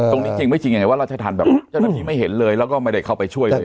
จริงไม่จริงยังไงว่าราชธรรมแบบเจ้าหน้าที่ไม่เห็นเลยแล้วก็ไม่ได้เข้าไปช่วยเลย